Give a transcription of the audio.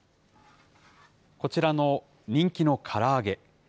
こちらの人気のから揚げ。